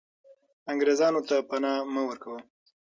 انګریزانو ته پنا مه ورکوه.